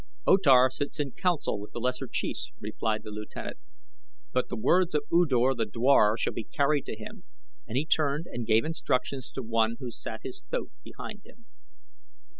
"O Tar sits in council with the lesser chiefs," replied the lieutenant; "but the words of U Dor the dwar shall be carried to him," and he turned and gave instructions to one who sat his thoat behind him.